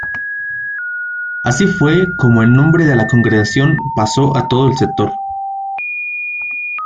Así fue como el nombre de la congregación pasó a todo el sector.